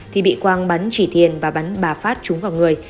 thì bị quang bắn chỉ thiền và bắn bà phát trúng vào người